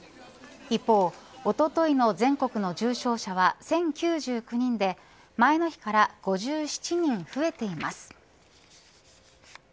一方、おとといの全国の重症者は１０９９人で前の日から５７人増えています。